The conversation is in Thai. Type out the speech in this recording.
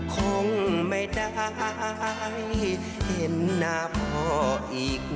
คงไม่ได้เห็นหน้าพออีกหน่อย